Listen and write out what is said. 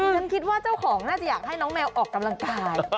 ฉันคิดว่าเจ้าของน่าจะอยากให้น้องแมวออกกำลังกาย